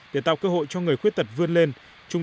để tạo cơ hội cho người khuyết tật vươn lên